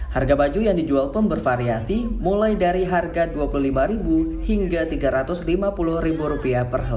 harga baju yang dijual pun bervariasi mulai dari harga rp dua puluh lima hingga rp tiga ratus lima puluh